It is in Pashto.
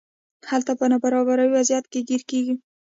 هلته په نابرابر وضعیت کې ګیر کیږي.